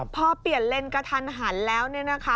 พอเปลี่ยนเลนส์กระทันหันแล้ว